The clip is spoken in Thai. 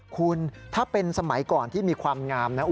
คุณถ้าเป็นสมัยก่อนที่มีความงามนะ